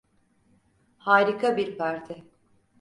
Harika bir parti.